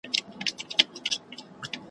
چي مي خولې ته د قاتل وم رسېدلی `